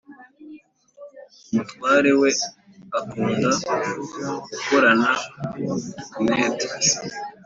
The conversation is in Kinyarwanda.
umutware we akunda gukorana umwete.